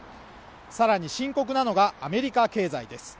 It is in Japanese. さらに深刻なのがアメリカ経済です